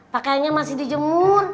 pakaiannya masih dijemur